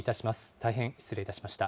大変失礼いたしました。